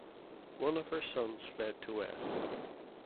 One of her sons fled to West.